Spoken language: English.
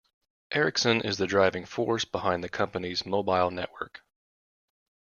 Ericsson is the driving force behind the company's mobile network.